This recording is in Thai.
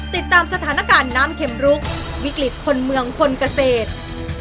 ติดตามสถานการณ์น้ำเข็มรุกวิกฤตคนเมืองคนเกษตร